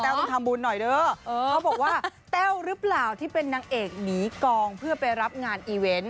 ต้องทำบุญหน่อยเด้อเขาบอกว่าแต้วหรือเปล่าที่เป็นนางเอกหนีกองเพื่อไปรับงานอีเวนต์